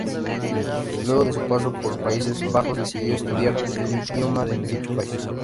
Luego de su paso por Países Bajos, decidió estudiar el idioma de dicho país.